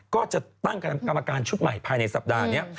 ก็จะตั้งกรรมการชุดใหม่ภายในสัปดาห์นี้